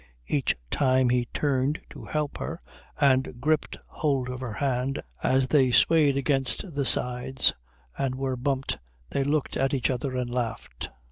Each time he turned to help her and gripped hold of her hand as they swayed against the sides and were bumped they looked at each other and laughed.